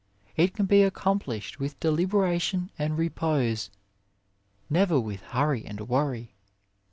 It can be accom plished with deliberation and re pose, never with hurry and worry.